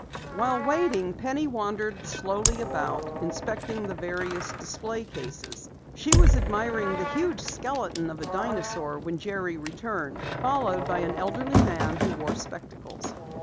While waiting, Penny wandered slowly about, inspecting the various display cases. She was admiring the huge skeleton of a dinosaur when Jerry returned, followed by an elderly man who wore spectacles.